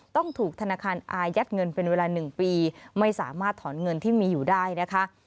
ต้องถูกธนาคารอายัดเงินเป็นเวลา๑ปีไม่สามารถถอนเงินที่มีอยู่ได้นะคะ